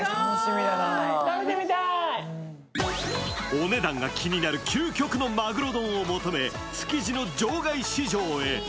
お値段が気になる究極のマグロ丼を求め築地の場外市場へ。